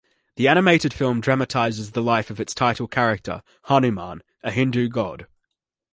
The animated film dramatizes the life of its title character, Hanuman, a Hindu God.